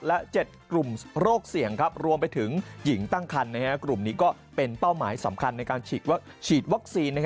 และ๗กลุ่มโรคเสี่ยงรวมไปถึงหญิงตั้งคันกลุ่มนี้ก็เป็นเป้าหมายสำคัญในการฉีดวัคซีน